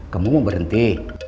kamu mau berhenti